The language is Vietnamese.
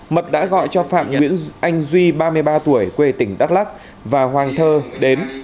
mật đã gọi cho phạm nguyễn anh duy ba mươi ba tuổi quê tỉnh đắk lắc và hoàng thơ đến